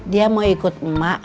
dia mau ikut emak